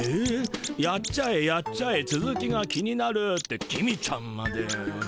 「やっちゃえやっちゃえつづきが気になる」って公ちゃんまで。